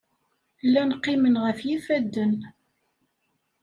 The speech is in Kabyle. Llan qqimen ɣef yifadden.